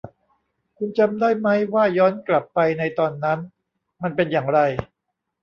คุณจำได้มั้ยว่าย้อนกลับไปในตอนนั้นมันเป็นอย่างไร